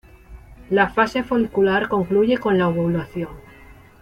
La fase folicular concluye con la ovulación.